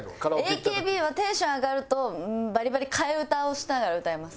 ＡＫＢはテンション上がるとバリバリ替え歌をしたら歌えます。